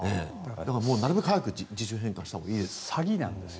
なるべく早く自主返還したほうがいいです。